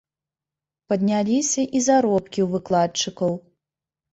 Падняліся і заробкі ў выкладчыкаў.